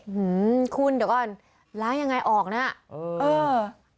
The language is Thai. หือคุณเดี๋ยวก่อนล้างยังไงออกน่ะเออเออ